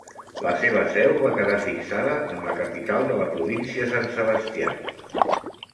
La seva seu va quedar fixada en la capital de la província, Sant Sebastià.